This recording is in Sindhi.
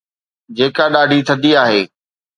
جيڪا ڏاڍي ٿڌي آهي